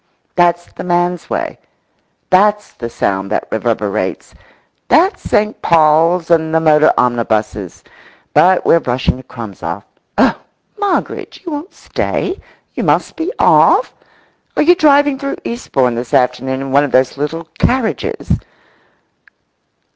That's the man's way; that's the sound that reverberates; that's St. Paul's and the motor omnibuses. But we're brushing the crumbs off. Oh, Moggridge, you won't stay? You must be off? Are you driving through Eastbourne this afternoon in one of those little carriages?